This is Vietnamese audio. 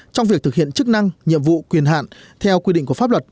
trong việc thực hiện chức năng nhiệm vụ quyền hạn theo quy định của pháp luật